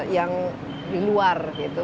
yang di luar gitu